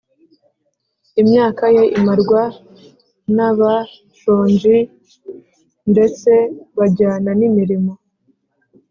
Imyakaye imarwa n’abshonji, ndetse bajyana nibirimo